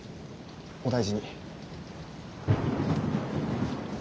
お大事に。